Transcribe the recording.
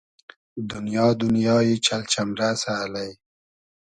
دونیا دونیای چئل چئمرئسۂ الݷ